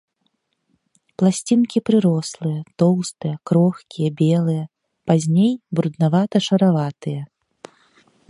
Пласцінкі прырослыя, тоўстыя, крохкія, белыя, пазней бруднавата-шараватыя.